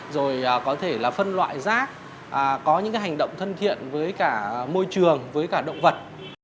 rồi có thể là phân loại rác có những hành động thân thiện với cả môi trường với cả động vật